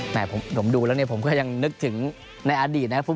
ผมดูแล้วเนี่ยผมก็ยังนึกถึงในอดีตนะครับ